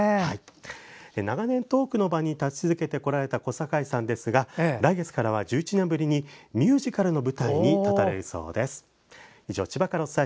長年、トークの場に立ち続けてこられた小堺さんですが来月からは１１年ぶりにミュージカルの舞台に立たれるそうです。